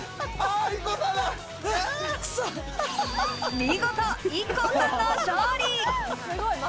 見事、ＩＫＫＯさんの勝利。